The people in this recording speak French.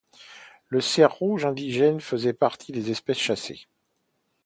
Les cerfs rouges indigènes faisaient partie des espèces chassées.